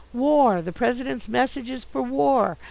WAR! The President's message is for WAR!